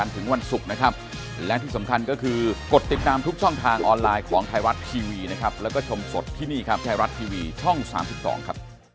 พูดง่ายเบี้ยวยากครับ